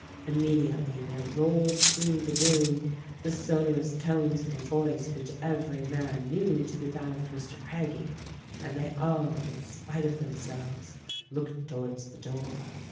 Immediately there rolled through the room the sonorous tones of a voice which every man knew to be that of Mr. Craggie, and they all — in spite of themselves — looked towards the door.